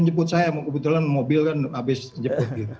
menjemput saya kebetulan mobil kan habis jemput